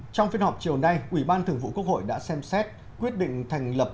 trong phiên họp chiều nay ủy ban thường vụ quốc hội đã xem xét quyết định thành lập